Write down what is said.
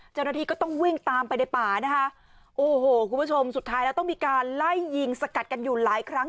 เจ้าหน้าที่ก็ต้องวิ่งตามไปในป่านะคะโอ้โหคุณผู้ชมสุดท้ายแล้วต้องมีการไล่ยิงสกัดกันอยู่หลายครั้ง